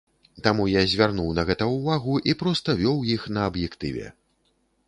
Таму я звярнуў на гэта ўвагу і проста вёў іх на аб'ектыве.